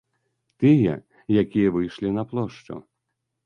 Тыя, якія выйшлі на плошчу.